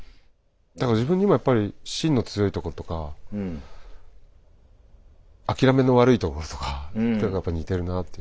だから自分にもやっぱり芯の強いとことか諦めの悪いところとかやっぱ似てるなあという。